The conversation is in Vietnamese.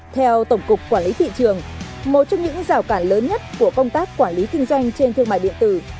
theo tổng cục quản lý thị trường một trong những rào cản lớn nhất của công tác quản lý kinh doanh trên thương mại điện tử